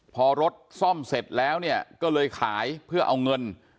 พอรถซ่อมเสร็จแล้วเนี่ยก็เลยขายเพื่อเอาเงิน